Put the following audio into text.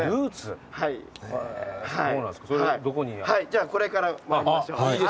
じゃあこれから参りましょう。